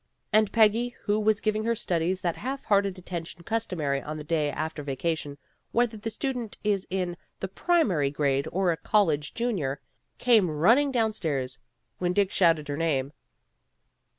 And Peggy who was giving her studies that half hearted atten tion customary on the first day after vaca tion, whether the student is in the primary grade or a college Junior, came running down stairs when Dick shouted her name.